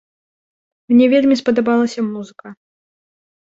Мне вельмі спадабалася музыка.